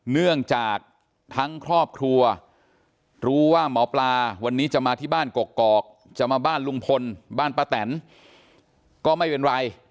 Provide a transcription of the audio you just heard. เนื่องจากทั้งครอบครัวรู้ว่าหมอปลาวันนี้จะมาที่บ้านกกอกจะมาบ้านลุงพลบ้านป้าแตนก็ไม่เป็นไร